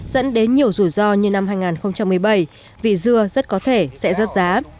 dẫn đến nhiều rủi ro như năm hai nghìn một mươi bảy vì dưa rất có thể sẽ rớt giá